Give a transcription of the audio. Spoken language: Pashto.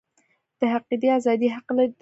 د عقیدې ازادي حق دی